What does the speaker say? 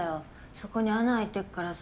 そこに穴開いてっからさ